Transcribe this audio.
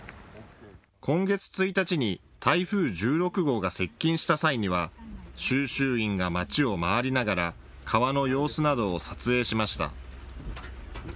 今月１日に台風１６号が接近した際には収集員がまちを回りながら川の様子などを撮影しました。